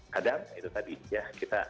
kadang itu tadi ya